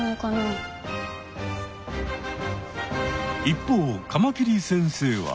一方カマキリ先生は。